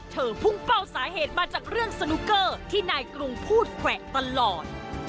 พุ่งเป้าสาเหตุมาจากเรื่องสนุกเกอร์ที่นายกรุงพูดแขวะตลอด